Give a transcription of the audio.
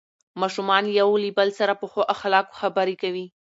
ماشومان له یو بل سره په ښو اخلاقو خبرې کوي